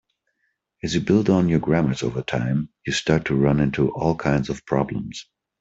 As you build on your grammars over time, you start to run into all kinds of problems.